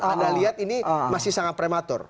anda lihat ini masih sangat prematur